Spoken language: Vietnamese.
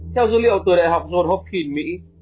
theo dữ liệu từ đại học john hopkins mỹ